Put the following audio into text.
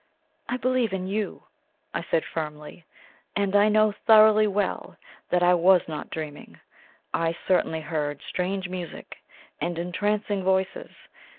"I believe in YOU," I said firmly; "and I know thoroughly well that I was not dreaming; I certainly heard strange music, and entrancing voices.